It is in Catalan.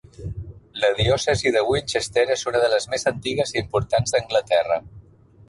La diòcesi de Winchester és una de les més antigues i importants d'Anglaterra.